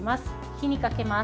火にかけます。